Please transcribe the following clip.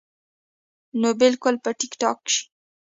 نو بالکل به ټيک ټاک شي -